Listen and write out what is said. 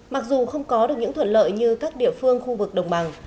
mặc dù không có được những thuận lợi như các địa phương khu vực đồng bằng